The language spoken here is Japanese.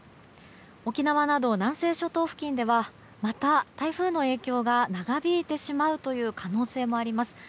沖縄など南西付近ではまた台風の影響が長引いてしまうという可能性もあります。